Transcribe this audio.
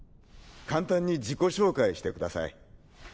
簡単に自己紹介してください。